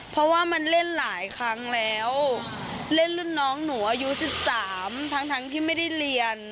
ประมาณ๔๕คนได้